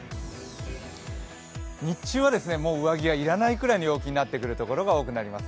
日中はもう上着が要らないぐらいの陽気になってくるところが多くなります。